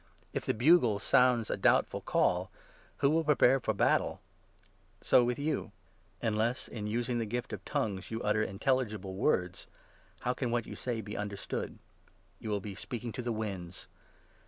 If the bugle 8 sound a doubtful call, who will prepare for battle ? And so with 9 you ; unless, in using the gift of ' tongues,' you utter intelligible words, how can what you say be understood ? You will be speaking to the winds